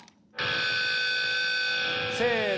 せの！